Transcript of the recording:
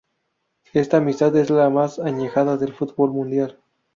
Esta amistad es la más añeja del fútbol mundial.